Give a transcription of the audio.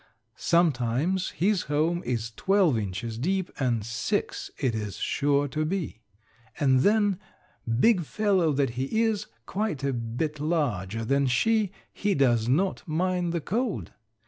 Sometimes his home is twelve inches deep, and six it is sure to be. And then, big fellow that he is, quite a bit larger than she, he does not mind the cold.